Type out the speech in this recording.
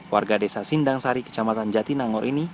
warga desa sindang sari kecamatan jatinangor ini